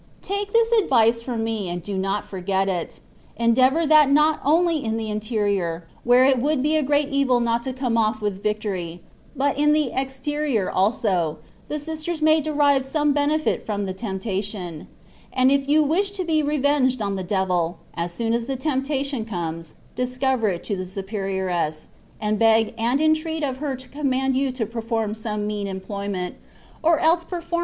Take this advice from me, and do not forget it ; endeavour that not only in the interior, where it would be a great evil not to come oflF with victory, but in the exterior also, the sisters may derive some benefit fix)m the temptation ; and if you wish to be revenged on the devil, as soon as the temp tation comes, discover it to the superioress, and beg and entreat of her to command you to per form some mean employment, or else perform it * The words within brackets I have yentured to add, in order to make the sense clearer.